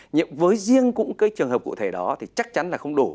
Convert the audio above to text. nhưng với riêng cũng cái trường hợp cụ thể đó thì chắc chắn là không đủ